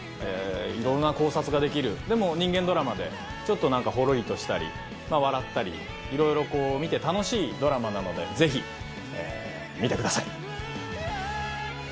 いろんな考察ができるでも人間ドラマでちょっとホロリとしたり笑ったりいろいろ見て楽しいドラマなのでぜひ見てください。